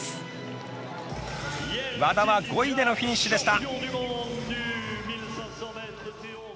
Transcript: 和田は５位でのフィニッシュでした。